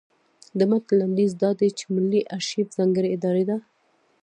د متن لنډیز دا دی چې ملي ارشیف ځانګړې اداره ده.